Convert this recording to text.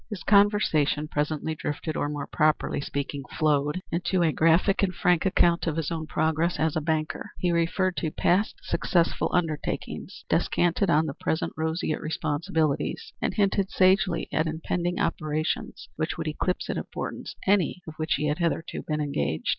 His conversation presently drifted, or more properly speaking, flowed into a graphic and frank account of his own progress as a banker. He referred to past successful undertakings, descanted on his present roseate responsibilities, and hinted sagely at impending operations which would eclipse in importance any in which he had hitherto been engaged.